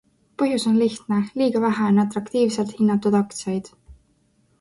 Põhjus on lihtne - liiga vähe on atraktiivselt hinnatud aktsiaid.